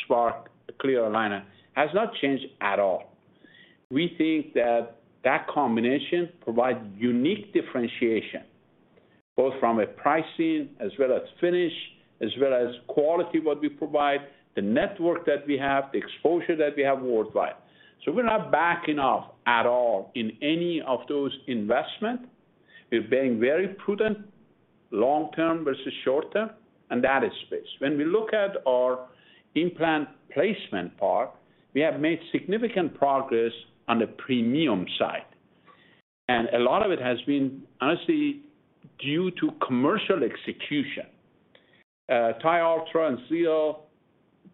Spark Clear Aligner, has not changed at all. We think that that combination provides unique differentiation, both from a pricing as well as finish, as well as quality of what we provide, the network that we have, the exposure that we have worldwide. We're not backing off at all in any of those investment. We're being very prudent, long term versus short term, and that is space. When we look at our implant placement part, we have made significant progress on the premium side. A lot of it has been, honestly, due to commercial execution. TiUltra and Xeal,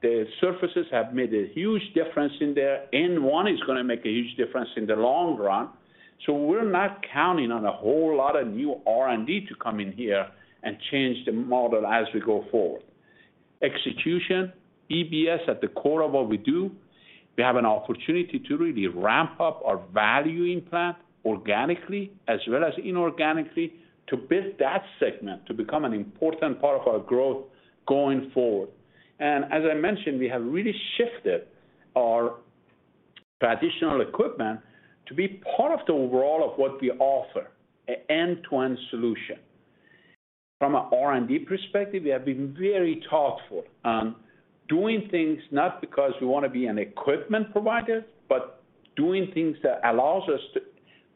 the surfaces have made a huge difference in there. Nobel Biocare N1 is gonna make a huge difference in the long run. We're not counting on a whole lot of new R&D to come in here and change the model as we go forward. Execution, EBS at the core of what we do, we have an opportunity to really ramp up our value implant organically as well as inorganically to build that segment to become an important part of our growth going forward. As I mentioned, we have really shifted our traditional equipment to be part of the overall of what we offer, an end-to-end solution. From a R&D perspective, we have been very thoughtful on doing things not because we wanna be an equipment provider, but doing things that allows us to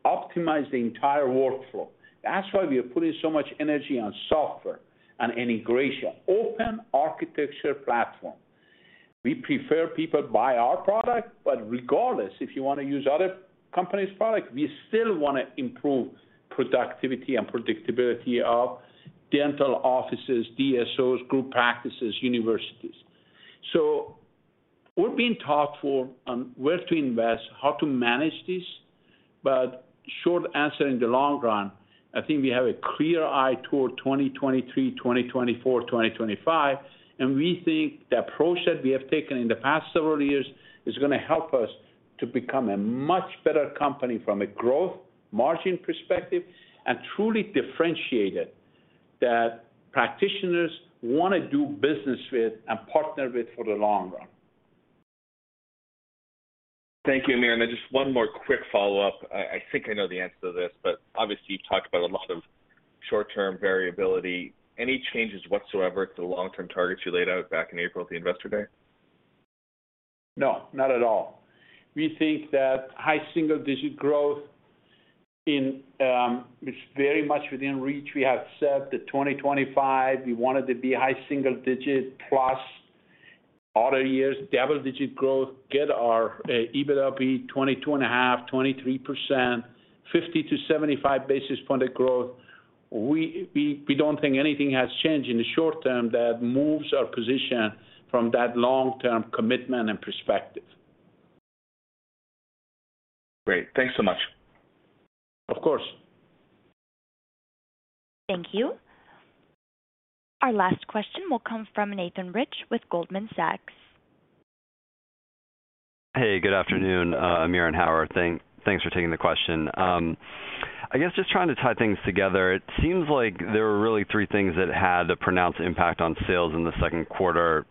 optimize the entire workflow. That's why we are putting so much energy on software and integration, open architecture platform. We prefer people buy our product, but regardless, if you wanna use other company's product, we still wanna improve productivity and predictability of dental offices, DSOs, group practices, universities. We're being thoughtful on where to invest, how to manage this. Short answer, in the long run, I think we have a clear eye toward 2023, 2024, 2025, and we think the approach that we have taken in the past several years is gonna help us to become a much better company from a growth margin perspective and truly differentiate it that practitioners wanna do business with and partner with for the long run. Thank you, Amir. Then just one more quick follow-up. I think I know the answer to this, but obviously, you've talked about a lot of short-term variability. Any changes whatsoever to the long-term targets you laid out back in April at the Investor Day? No, not at all. We think that high single-digit growth is very much within reach. We have said that 2025 we wanted to be high single-digits plus, all the years, double-digit growth, get our EBITDA to be 22.5%-23%, 50-75 basis points of growth. We don't think anything has changed in the short term that moves our position from that long-term commitment and perspective. Great. Thanks so much. Of course. Thank you. Our last question will come from Nathan Rich with Goldman Sachs. Hey, good afternoon, Amir and Howard. Thanks for taking the question. I guess just trying to tie things together, it seems like there were really three things that had a pronounced impact on sales in the second quarter: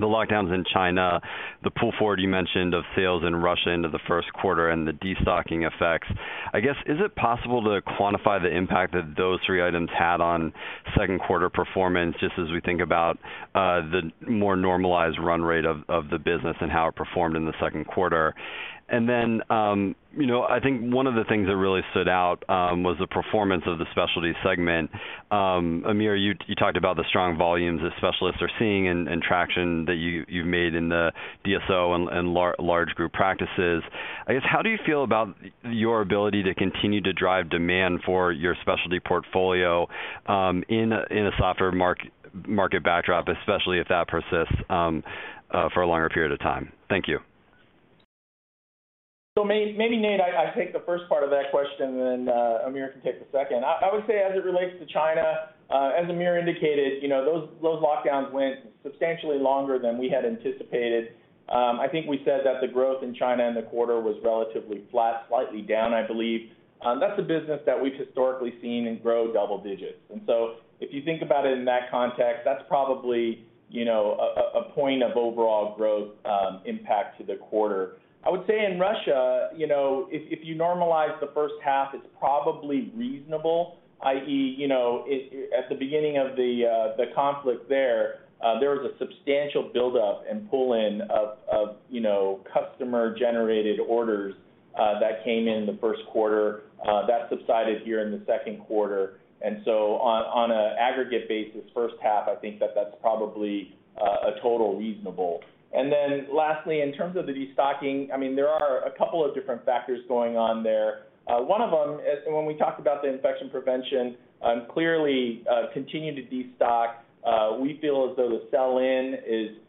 the lockdowns in China, the pull forward you mentioned of sales in Russia into the first quarter, and the destocking effects. I guess, is it possible to quantify the impact that those three items had on second quarter performance, just as we think about the more normalized run rate of the business and how it performed in the second quarter? You know, I think one of the things that really stood out was the performance of the specialty segment. Amir, you talked about the strong volumes the specialists are seeing and traction that you've made in the DSO and large group practices. I guess, how do you feel about your ability to continue to drive demand for your specialty portfolio, in a softer market backdrop, especially if that persists, for a longer period of time? Thank you. Maybe, Nate, I take the first part of that question, then Amir can take the second. I would say as it relates to China, as Amir indicated, you know, those lockdowns went substantially longer than we had anticipated. I think we said that the growth in China in the quarter was relatively flat, slightly down, I believe. That's a business that we've historically seen and grow double digits. If you think about it in that context, that's probably, you know, a point of overall growth impact to the quarter. I would say in Russia, you know, if you normalize the first half, it's probably reasonable, i.e., you know, it at the beginning of the conflict there was a substantial buildup and pull-in of, you know, customer-generated orders that came in the first quarter that subsided here in the second quarter. On an aggregate basis, first half, I think that's probably totally reasonable. Lastly, in terms of the destocking, I mean, there are a couple of different factors going on there. One of them is, and when we talk about the Infection Prevention, clearly continue to destock. We feel as though the sell-in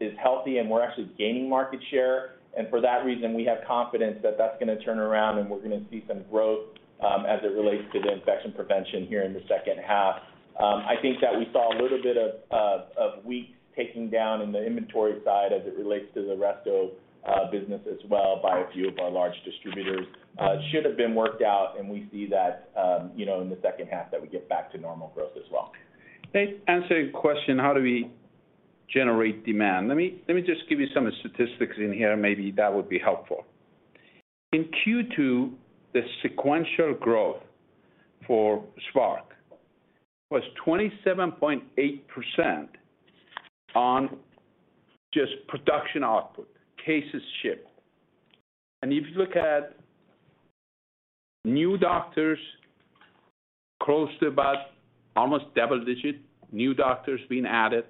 is healthy and we're actually gaining market share. For that reason, we have confidence that that's gonna turn around and we're gonna see some growth as it relates to the Infection Prevention here in the second half. I think that we saw a little bit of weak takedown in the inventory side as it relates to the resto business as well by a few of our large distributors. Should have been worked out and we see that, you know, in the second half that we get back to normal growth as well. Nate, answer your question, how do we generate demand? Let me just give you some statistics in here, maybe that would be helpful. In Q2, the sequential growth for Spark was 27.8% on just production output, cases shipped. If you look at new doctors, close to about almost double-digit new doctors being added.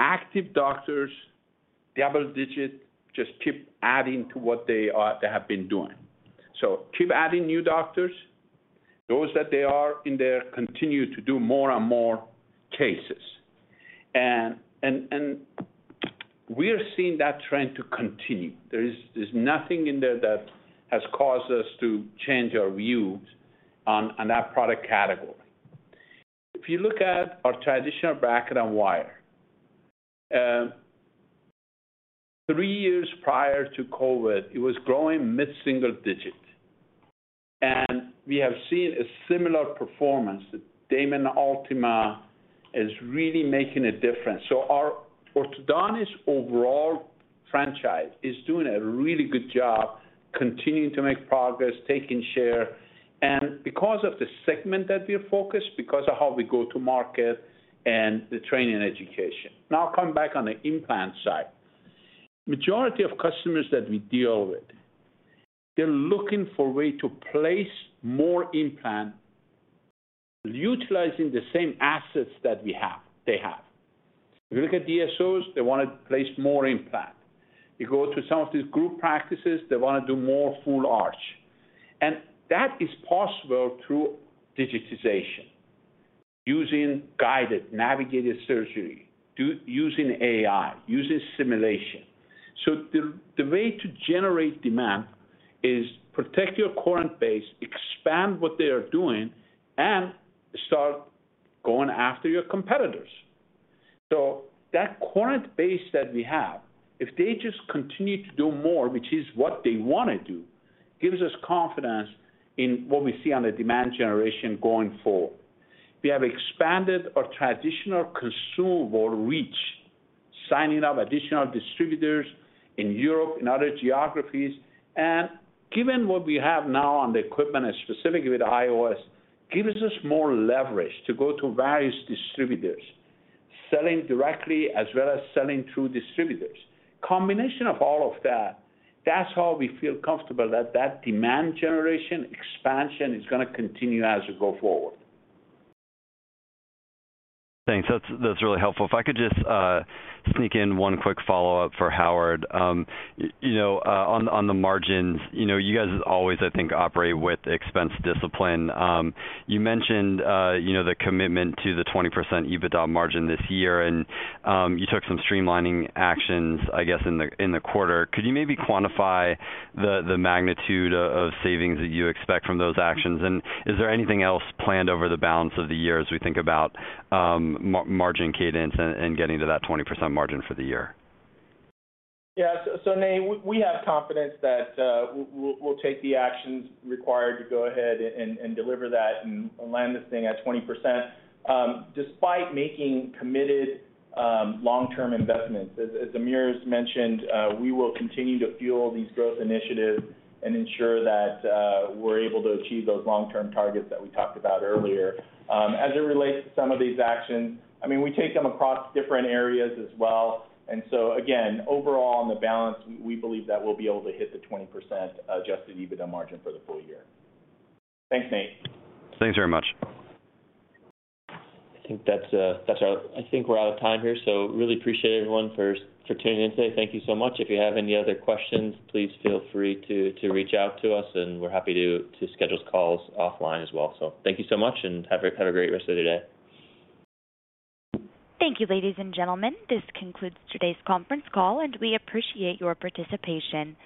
Active doctors, double-digit, just keep adding to what they have been doing. Keep adding new doctors. Those that they are in there continue to do more and more cases. We are seeing that trend to continue. There's nothing in there that has caused us to change our views on that product category. If you look at our traditional bracket and wire, three years prior to COVID, it was growing mid-single-digit. We have seen a similar performance. The Damon Ultima is really making a difference. Our Orthodontic overall franchise is doing a really good job continuing to make progress, taking share. Because of the segment that we are focused, because of how we go to market, and the training education. Now come back on the implant side. Majority of customers that we deal with, they're looking for a way to place more implants utilizing the same assets that we have, they have. If you look at DSOs, they wanna place more implants. You go to some of these group practices, they wanna do more full arch. That is possible through digitization, using guided navigated surgery, using AI, using simulation. The way to generate demand is protect your current base, expand what they are doing, and start going after your competitors. That current base that we have, if they just continue to do more, which is what they wanna do, gives us confidence in what we see on the demand generation going forward. We have expanded our traditional consumable reach, signing up additional distributors in Europe and other geographies. Given what we have now on the equipment, and specifically with IOS, gives us more leverage to go to various distributors, selling directly as well as selling through distributors. Combination of all of that's how we feel comfortable that that demand generation expansion is gonna continue as we go forward. Thanks. That's really helpful. If I could just sneak in one quick follow-up for Howard. You know, on the margins, you know, you guys always, I think, operate with expense discipline. You mentioned, you know, the commitment to the 20% EBITDA margin this year, and you took some streamlining actions, I guess, in the quarter. Could you maybe quantify the magnitude of savings that you expect from those actions? And is there anything else planned over the balance of the year as we think about margin cadence and getting to that 20% margin for the year? Yeah. Nate, we have confidence that we'll take the actions required to go ahead and deliver that and land this thing at 20%, despite making committed long-term investments. As Amir's mentioned, we will continue to fuel these growth initiatives and ensure that we're able to achieve those long-term targets that we talked about earlier. As it relates to some of these actions, I mean, we take them across different areas as well. Again, overall on the balance, we believe that we'll be able to hit the 20% adjusted EBITDA margin for the full year. Thanks, Nate. Thanks very much. I think that's all. I think we're out of time here, so I really appreciate everyone for tuning in today. Thank you so much. If you have any other questions, please feel free to reach out to us, and we're happy to schedule calls offline as well. Thank you so much, and have a great rest of your day. Thank you, ladies and gentlemen. This concludes today's conference call, and we appreciate your participation.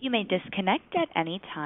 You may disconnect at any time.